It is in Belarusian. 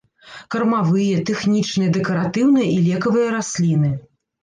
Кармавыя, тэхнічныя, дэкаратыўныя і лекавыя расліны.